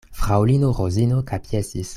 Fraŭlino Rozino kapjesis.